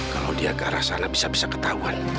kalau dia ke arah sana bisa bisa ketahuan